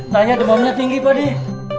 tanya demamnya tinggi pak di